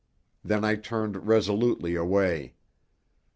Then I turned resolutely away.